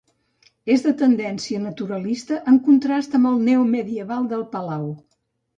És de tendència naturalista, en contrast amb el neomedieval del Palau.